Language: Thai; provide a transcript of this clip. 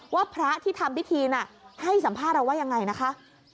ว่าพระที่ทำพิธีน่ะให้สัมภาษณ์เราว่ายังไงนะคะ